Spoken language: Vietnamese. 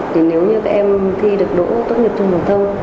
thì nếu như các em thi được đỗ tốt nghiệp trung học thông